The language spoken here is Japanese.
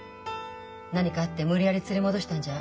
何かあって無理やり連れ戻したんじゃ